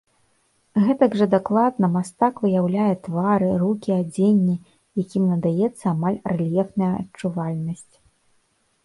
Гэтак жа дакладна мастак выяўляе твары, рукі, адзенне, якім надаецца амаль рэльефная адчувальнасць.